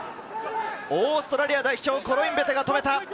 オーストラリア代表、コロインベテが止めた。